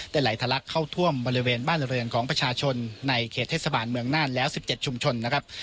ไหลทะลักเข้าท่วมบริเวณบ้านเรือนของประชาชนในเขตเทศบาลเมืองน่านแล้ว๑๗ชุมชนนะครับ